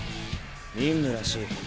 任務らしい。